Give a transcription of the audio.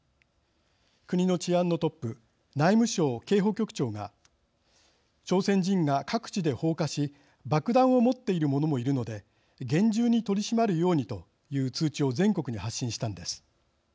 国の治安のトップ内務省警保局長が朝鮮人が各地で放火し爆弾を持っている者もいるので厳重に取り締まるようにという通知を全国に発信したのです。